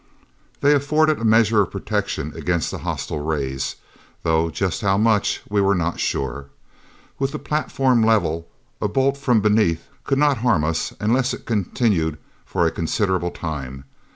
They afforded a measure of protection against the hostile rays, though just how much we were not sure. With the platform level, a bolt from beneath could not harm us unless it continued for a considerable time.